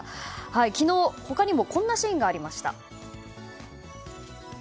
昨日、他にもこんなシーンがありました。